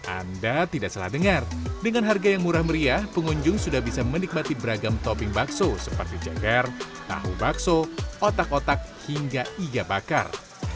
anda tidak salah dengar dengan harga yang murah meriah pengunjung sudah bisa menikmati beragam topping bakso seperti ceker tahu bakso otak otak hingga iga bakar